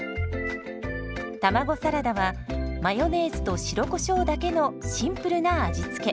卵サラダはマヨネーズと白コショウだけのシンプルな味付け。